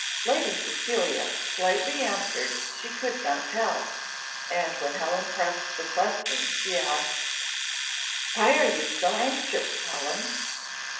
Lady Cecilia slightly answered she could not tell and when Helen pressed the question she asked, "Why are you so anxious, Helen?"